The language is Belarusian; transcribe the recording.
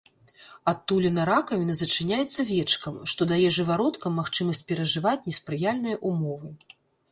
Адтуліна ракавіны зачыняецца вечкам, што дае жывародкам магчымасць перажываць неспрыяльныя ўмовы.